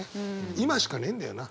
今しかねえんだよな。